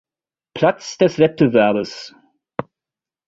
Platz des Wettbewerbes.